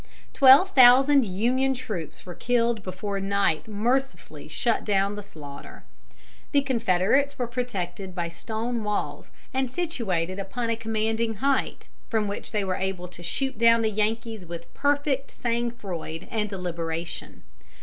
Twelve thousand Union troops were killed before night mercifully shut down upon the slaughter. The Confederates were protected by stone walls and situated upon a commanding height, from which they were able to shoot down the Yankees with perfect sang froid and deliberation.